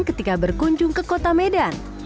ketika berkunjung ke kota medan